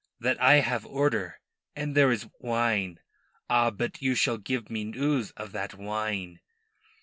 that I have order. And there is a wine ah, but you shall give me news of that wine."